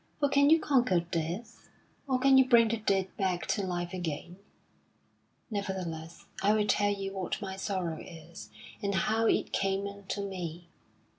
For can you conquer death, or can you bring the dead back to life again? Nevertheless, I will tell you what my sorrow is, and how it came unto me.